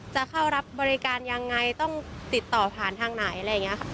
จะเข้ารับบริการยังไงต้องติดต่อผ่านทางไหนอะไรอย่างนี้ค่ะ